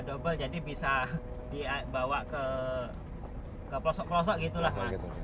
double jadi bisa dibawa ke pelosok pelosok gitu lah mas